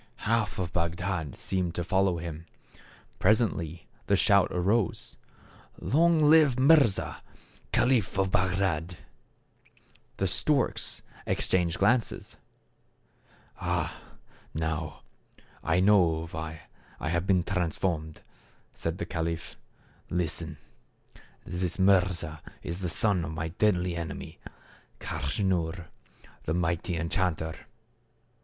Half of Bagdad seemed to follow him. Presently the shout arose, " Long live Mirza, caliph of Bagdad !" The storks exchanged glances. " Ah ! now I know why I have been transformed," said the caliph. " Listen. This Mirza is the son of my deadly enemy, Kaschnur, the mighty en chanter.